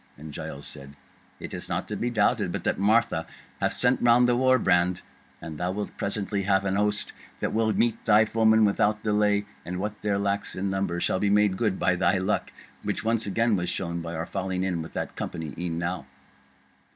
And Giles said: "It is not to be doubted but that Martha hath sent round the war brand, and thou wilt presently have an host that will meet thy foemen without delay; and what there lacks in number shall be made good by thy luck, which once again was shown by our falling in with that company e'en now."